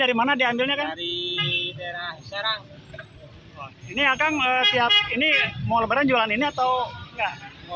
ini akan tiap ini mau lebaran jualan ini atau nggak